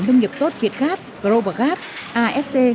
nông nghiệp tốt việt gap grobogat asc